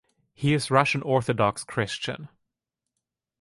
He is Russian Orthodox Christian.